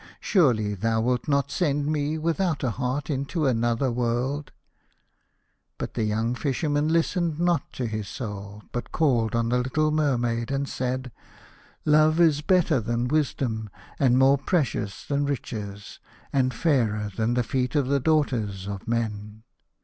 Surely thou wilt not send me without a heart into another world ?" But the young Fisherman listened not to his Soul, but called on the little Mermaid and said, " Love is better than wisdom, and more precious than riches, and fairer than the feet of the daughters of men.